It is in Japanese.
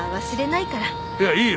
いやいいよ。